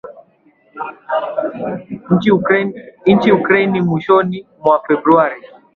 nchini Ukraine mwishoni mwa Februari